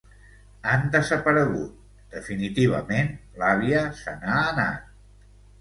Han desaparegut; definitivament, l'àvia se n'ha anat.